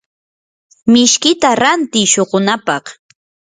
mishkita rantiiy shuqunapaq.